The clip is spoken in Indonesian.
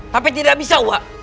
tapi tidak bisa uak